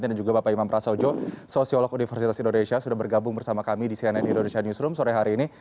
dan juga pak imam prasadojo sosiolog universitas indonesia sudah bergabung bersama kami di cnn indonesia newsroom sore hari ini